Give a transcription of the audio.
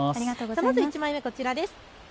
まず１枚目、こちらです。